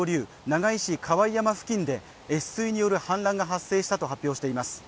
長井市で溢水による氾濫が発生したと発表しています。